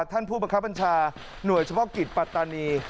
ท่านผู้บังคับบัญชาหน่วยเฉพาะกิจปัตตานี